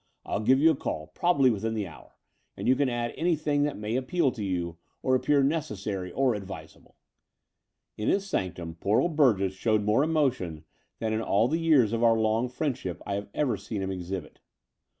I'll give you a call, probably within an hour: and you can add any thing that may appeal to you or appear necessary or advisable." In his sanctum poor old Burgess showed more emotion than in all the years of our long friend ship I had ever seen him exhibit.